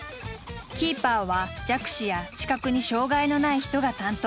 キーパーは弱視や視覚に障害のない人が担当。